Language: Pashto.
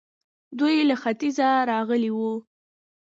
دوی له ختيځه راغلي وو